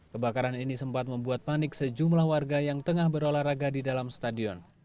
kebakaran ini sempat membuat panik sejumlah warga yang tengah berolahraga di dalam stadion